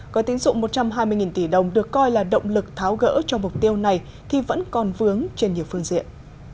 có tín dụng một trăm hai mươi tỷ đồng được coi là động lực tháo gỡ cho mục tiêu này thì vẫn còn vướng trên nhiều phương diện